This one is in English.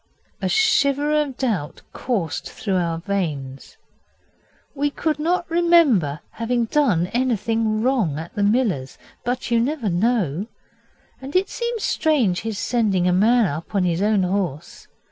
A shiver of doubt coursed through our veins. We could not remember having done anything wrong at the miller's. But you never know. And it seemed strange his sending a man up on his own horse.